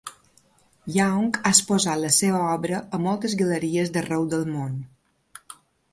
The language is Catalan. Young ha exposat la seva obra a moltes galeries d'arreu del món.